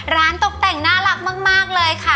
ตกแต่งน่ารักมากเลยค่ะ